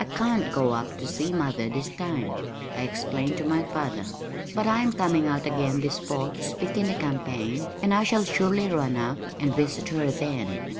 "I can't go up to see mother this time," I explained to my father, "but I am coming out again this fall to speak in the campaign and I shall surely run up and visit her then."